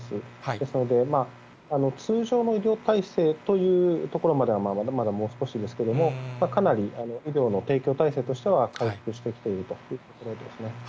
ですので、通常の医療体制というところまではまだまだもう少しですけれども、かなり医療の提供体制としては回復してきているというところです